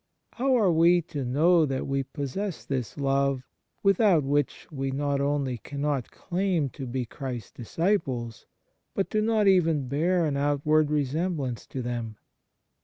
How are we to know that we possess this love, without which we not only cannot claim to be Christ s disciples, but do not even bear an outward resem blance to them